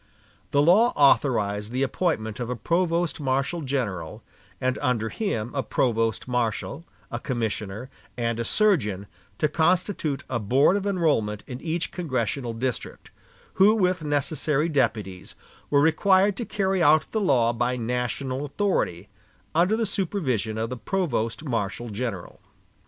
The law authorized the appointment of a provost marshal general, and under him a provost marshal, a commissioner, and a surgeon, to constitute a board of enrollment in each congressional district; who, with necessary deputies, were required to carry out the law by national authority, under the supervision of the provost marshal general.